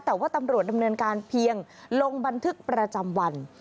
แต่ว่าตำรวจดำเนินการเพียงลงบันทึกประจำวัน